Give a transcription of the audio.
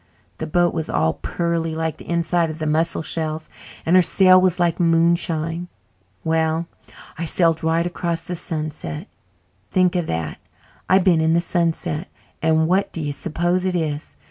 The boat was all pearly like the inside of the mussel shells, and her sail was like moonshine. Well, I sailed right across to the sunset. Think of that I've been in the sunset! And what do you suppose it is?